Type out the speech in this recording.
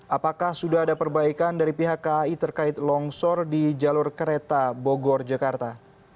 apakah sudah ada perbaikan dari pihak kai terkait longsor di jalur kereta bogor jakarta